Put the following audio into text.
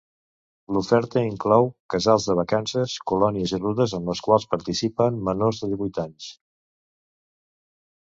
L'oferta inclou casals de vacances, colònies i rutes en les quals participen menors de divuit anys.